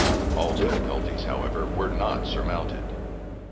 All difficulties, however, were not surmounted.